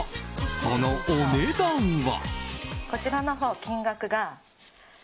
そのお値段は。